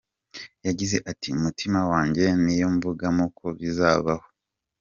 Yagize ati "Mu mutima wanjye niyumvagamo ko bizabaho.